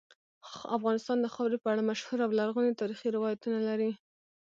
افغانستان د خاورې په اړه مشهور او لرغوني تاریخی روایتونه لري.